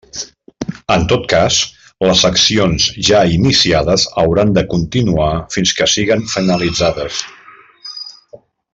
En tot cas, les accions ja iniciades hauran de continuar fins que siguen finalitzades.